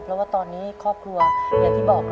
เพราะว่าตอนนี้ครอบครัวอย่างที่บอก